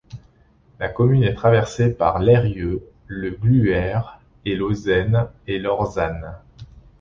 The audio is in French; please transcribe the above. La commune est traversée par l'Eyrieux, la Glueyre et l'Auzène et l'Orsanne.